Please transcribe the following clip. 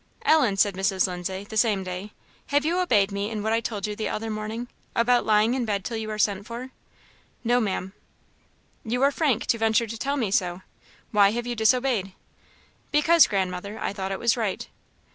"Ellen," said Mrs. Lindsay the same day, "have you obeyed me in what I told you the other morning? about lying in bed till you are sent for?" "No, Ma'am." "You are frank! to venture to tell me so. Why have you disobeyed me?" "Because, Grandmother, I thought it was right."